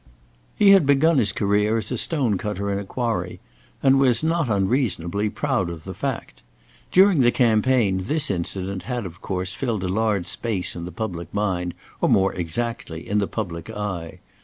He had begun his career as a stone cutter in a quarry, and was, not unreasonably, proud of the fact. During the campaign this incident had, of course, filled a large space in the public mind, or, more exactly, in the public eye.